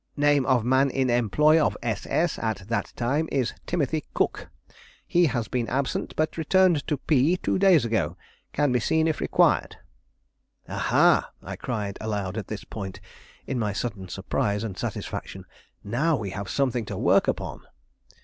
Name of man in employ of S. S. at that time is Timothy Cook. He has been absent, but returned to F two days ago. Can be seen if required." "Ah, ha!" I cried aloud at this point, in my sudden surprise and satisfaction; "now we have something to work upon!"